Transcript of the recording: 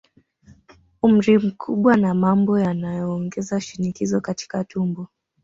Umri mkubwa na mambo yanayoongeza shinikizo katika tumbo